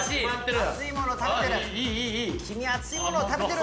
熱い物を食べてる。